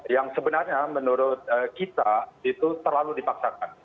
yang sebenarnya menurut kita itu terlalu dipaksakan